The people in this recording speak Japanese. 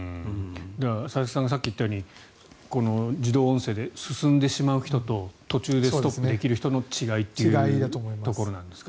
佐々木さんがさっき言ったように自動音声で進んでしまう人と途中でストップできる人の違いというところなんですかね。